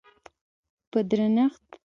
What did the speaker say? په درنښت